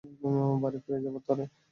বাড়ি ফিরে যাবার তরে।